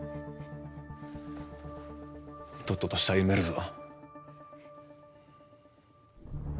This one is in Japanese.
とっとと死体埋めるぞ。